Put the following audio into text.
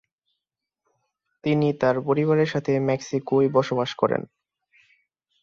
তিনি তার পরিবারের সাথে মেক্সিকোয় বসবাস করেন।